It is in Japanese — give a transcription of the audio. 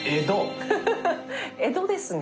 江戸ですね。